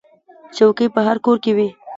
چوکۍ په هر کور کې وي.